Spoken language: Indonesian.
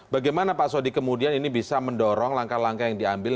bagaimana pak sody kemudian ini bisa mendorong langkah langkah yang diambil